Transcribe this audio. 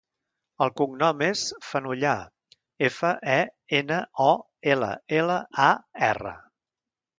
El cognom és Fenollar: efa, e, ena, o, ela, ela, a, erra.